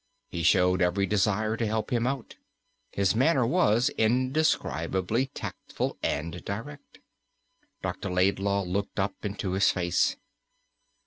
He showed every desire to help him out. His manner was indescribably tactful and direct. Dr. Laidlaw looked up into his face.